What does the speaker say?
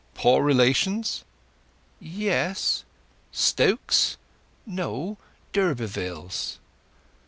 Poor relations?" "Yes." "Stokes?" "No; d'Urbervilles."